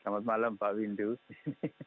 apa yang bisa kita pahami dari situasi ini